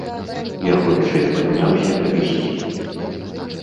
Я хутчэй падняўся, каб ісці.